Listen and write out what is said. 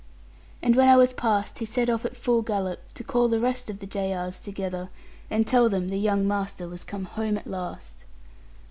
And when I was passed he set off at full gallop, to call the rest of the J.R.'s together, and tell them young master was come home at last.